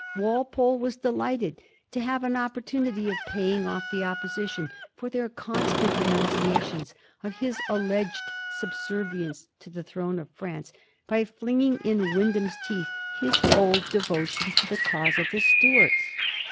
Walpole was delighted to have an op portunity of paying off the Opposition for their constant denunciations of his alleged subservience to the throne of France, by flinging in Wyndham's teeth his old devotion to the cause of the Stuarts.